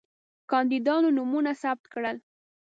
کاندیدانو نومونه ثبت کړل.